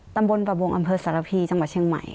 ตำบลประวงอำเภอสารพีจังหวัดเชียงใหม่